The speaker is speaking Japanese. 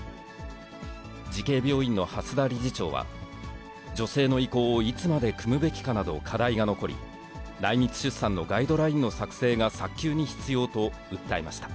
慈恵病院の蓮田理事長は、女性の意向をいつまでくむべきかなど、課題が残り、内密出産のガイドラインの作成が早急に必要と訴えました。